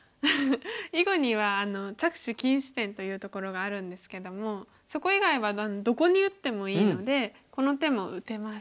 囲碁には着手禁止点というところがあるんですけどもそこ以外はどこに打ってもいいのでこの手も打てます。